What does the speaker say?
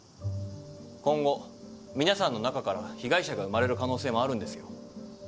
今後皆さんの中から被害者が生まれる可能性もあるんですよ。